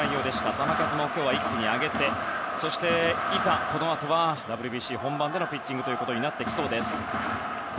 球数も今日は一気に上げていざ、このあとはＷＢＣ本番でのピッチングとなってきそうです。